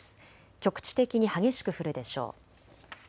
局地的に激しく降るでしょう。